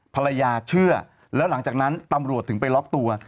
พอมีปฏิเสธภรรยาเชื่อแล้วหลังจากนั้นตำรวจถึงไปล็อคตัว